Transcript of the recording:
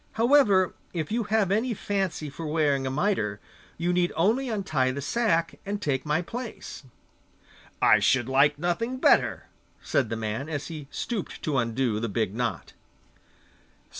However, if you have any fancy for wearing a mitre, you need only untie the sack, and take my place.' 'I should like nothing better,' said the man, as he stooped to undo the big knot.